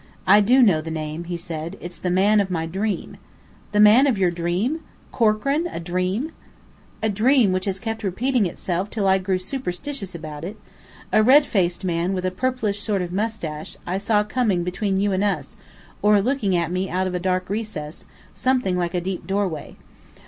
"I do know the name," he said. "It's the man of my dream." "The man of your dream? Corkran a dream?" "A dream which has kept repeating itself until I grew superstitious about it. A red faced man with a purplish sort of moustache, I saw coming between you and us, or looking at me out of a dark recess, something like a deep doorway.